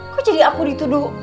kok jadi aku dituduh